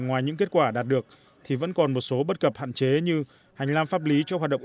ngoài những kết quả đạt được thì vẫn còn một số bất cập hạn chế như hành lang pháp lý cho hoạt động